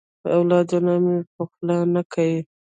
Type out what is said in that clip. اولادونه مي په خوله نه کیې.